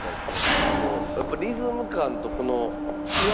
だからやっぱリズム感とこの。